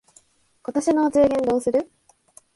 今年のお中元どうする？